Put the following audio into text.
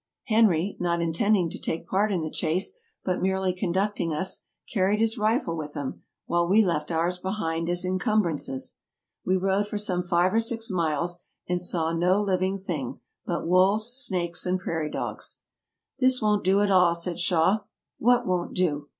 Henry, not intend ing to take part in the chase, but merely conducting us, carried his rifle with him, while we left ours behind as incum brances. We rode for some five or six miles, and saw no living thing but wolves, snakes, and prairie dogs. " This won't do at all," said Shaw. "What won't do